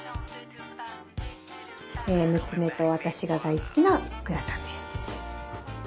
娘と私が大好きなグラタンです。